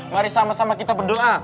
mari sama sama kita berdoa